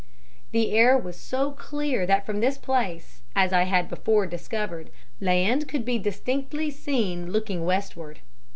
The air was so clear that from this place, as I had before discovered, land could be distinctly seen looking westward.